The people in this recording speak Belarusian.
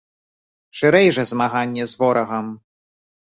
Шырэй жа змаганне з ворагам!